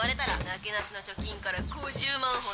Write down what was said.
「なけなしの貯金から５０万ほど」